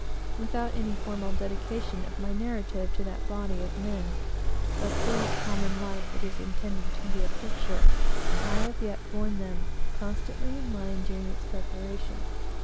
Without any formal dedication of my narrative to that body of men, of whose common life it is intended to be a picture, I have yet borne them constantly in mind during its preparation.